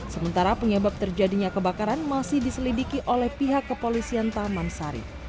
sementara penyebab terjadinya kebakaran masih diselidiki oleh pihak kepolisian taman sari